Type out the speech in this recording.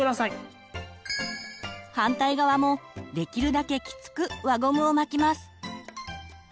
反対側もできるだけきつく輪ゴムを巻きます。